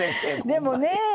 でもねえ